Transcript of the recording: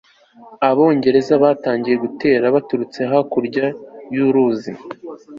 abongereza batangiye gutera baturutse hakurya y'uruzi